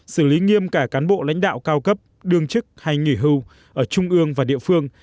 xử lý nghiêm cả cán bộ lãnh đạo cao cấp đương chức hay nghỉ hưu ở trung ương và địa phương